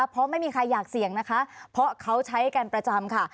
เพราะไม่มีใครอยากเสี่ยงนะคะเพราะเขาใช้กันประจำค่ะ